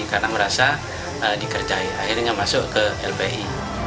karena merasa dikerjain akhirnya masuk ke lbi